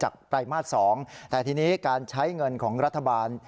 ไตรมาส๒แต่ทีนี้การใช้เงินของรัฐบาล